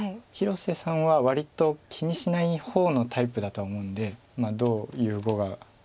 広瀬さんは割と気にしない方のタイプだとは思うんでどういう碁が。